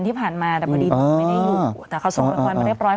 ที่ผ่านมาแต่พอดีหนูไม่ได้อยู่แต่เขาส่งละครมาเรียบร้อย